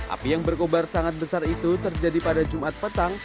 api yang berkobar sangat besar itu terjadi pada jumat petang